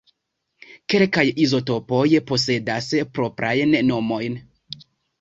Kelkaj izotopoj posedas proprajn nomojn.